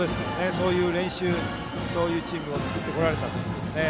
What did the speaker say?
そういう練習、そういうチームを作ってこられたんですね。